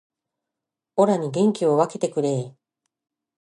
オラに元気を分けてくれー